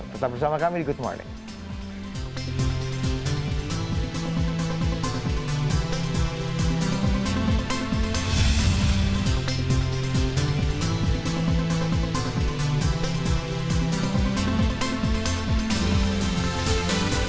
tetap bersama kami di good morning